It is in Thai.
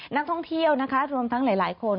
นักท่องเที่ยวนะคะรวมทั้งหลายคน